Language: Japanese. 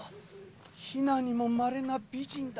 鄙にもまれな美人だ！